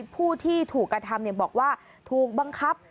ผู้ที่ถูกกระทำบอกว่าถูกบังคับ